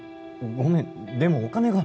ごめんでもお金が